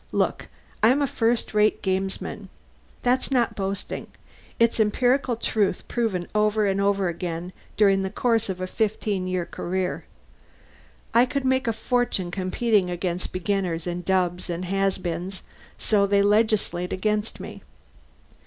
Look: I'm a first rate gamesman. That's not boasting; it's empirical truth proven over and over again during the course of a fifteen year career. I could make a fortune competing against beginners and dubs and has beens, so they legislate against me.